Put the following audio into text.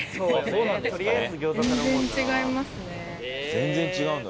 全然違うんだ。